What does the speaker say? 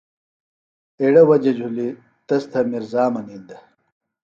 ایڑےۡ وجہ جُھلی تس تھےۡ میرزا منِین دےۡ